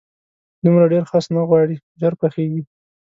دومره ډېر خس نه غواړي، ژر پخېږي.